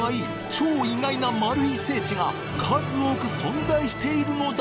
超意外な聖地が数多く存在しているのだ！